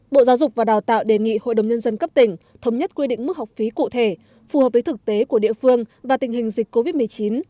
bộ giáo dục và đào tạo đề nghị hội đồng nhân dân cấp tỉnh thống nhất quy định mức học phí cụ thể phù hợp với thực tế của địa phương và tình hình dịch covid một mươi chín